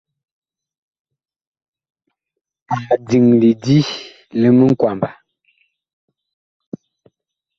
Ag diŋ lidi li miŋkwamba.